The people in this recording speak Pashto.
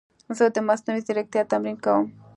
زه د مصنوعي ځیرکتیا تمرین کوم.